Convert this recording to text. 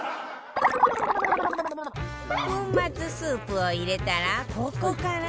粉末スープを入れたらここからがポイント